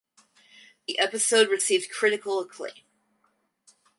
The episode received critical acclaim.